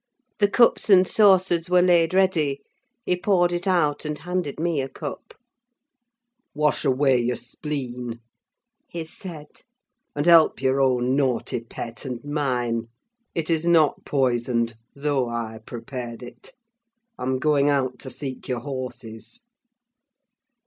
The cups and saucers were laid ready. He poured it out, and handed me a cup. "Wash away your spleen," he said. "And help your own naughty pet and mine. It is not poisoned, though I prepared it. I'm going out to seek your horses."